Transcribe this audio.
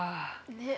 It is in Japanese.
ねっ。